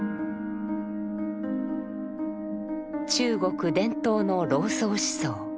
中国伝統の老荘思想。